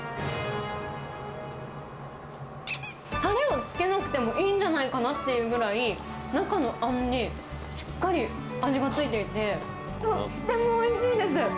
たれをつけなくてもいいんじゃないかなっていうぐらい、中のあんにしっかり味が付いていて。